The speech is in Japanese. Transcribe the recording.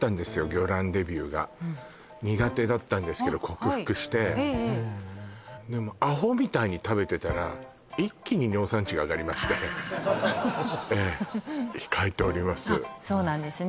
魚卵デビューが苦手だったんですけど克服してでアホみたいに食べてたら一気に尿酸値が上がりましてええ控えておりますそうなんですね